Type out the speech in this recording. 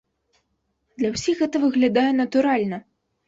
Для ўсіх гэта выглядае натуральна.